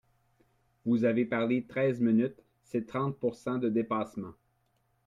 Vous avez parlé treize minutes, c’est trente pourcent de dépassement